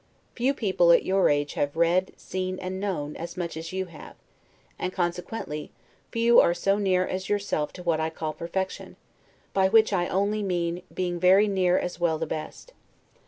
Few people at your age have read, seen, and known, so much as you have; and consequently few are so near as yourself to what I call perfection, by which I only, mean being very near as well as the best.